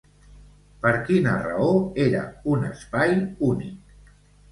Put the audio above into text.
Per quina raó era un espai únic?